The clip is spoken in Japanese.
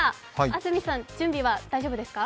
安住さん準備は大丈夫ですか？